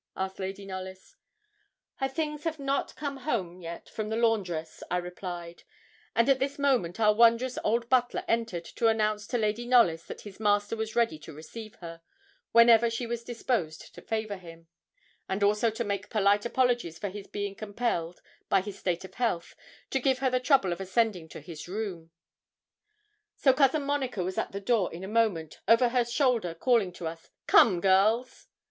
asked Lady Knollys. 'Her things have not come home yet from the laundress,' I replied; and at this moment our wondrous old butler entered to announce to Lady Knollys that his master was ready to receive her, whenever she was disposed to favour him; and also to make polite apologies for his being compelled, by his state of health, to give her the trouble of ascending to his room. So Cousin Monica was at the door in a moment, over her shoulder calling to us, 'Come, girls.'